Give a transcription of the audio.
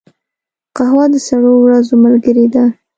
قهوه د سړو ورځو ملګرې ده